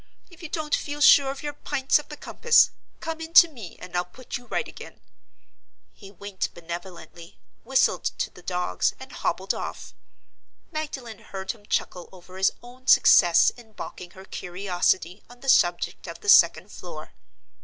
If you don't feel sure of your Pints of the Compass, come in to me and I'll put you right again." He winked benevolently, whistled to the dogs, and hobbled off. Magdalen heard him chuckle over his own success in balking her curiosity on the subject of the second floor.